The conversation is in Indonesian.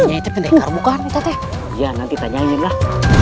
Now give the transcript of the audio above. nyanyi terdengar bukan kita teh ya nanti tanyain lah